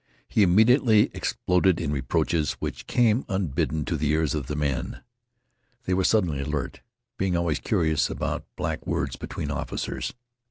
He immediately exploded in reproaches which came unbidden to the ears of the men. They were suddenly alert, being always curious about black words between officers.